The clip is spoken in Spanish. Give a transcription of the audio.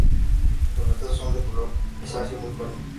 Los retazos son de color grisáceo muy pálido.